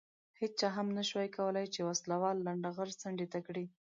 هېچا هم نه شوای کولای چې وسله وال لنډه غر څنډې ته کړي.